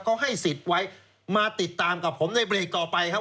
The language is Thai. เขาให้สิทธิ์ไว้มาติดตามกับผมในเบรกต่อไปครับ